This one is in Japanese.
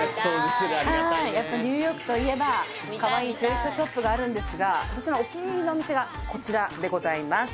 やっぱニューヨークといえばかわいいセレクトショップがあるんですが私のお気に入りのお店がこちらでございます